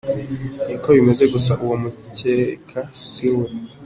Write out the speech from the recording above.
Niko bimeze gusa uwo mukeka siwe.